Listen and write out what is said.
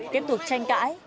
tiếp tục tranh cãi